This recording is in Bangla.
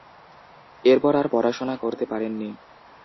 এরপর আর পড়াশোনা করতে পারেননি।